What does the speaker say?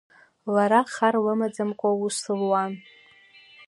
Лара хар лымаӡамкәан аус луан.